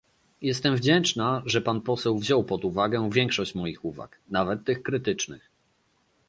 Jestem wdzięczna, że pan poseł wziął pod uwagę większość moich uwag, nawet tych krytycznych